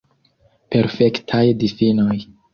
Perfektaj difinoj.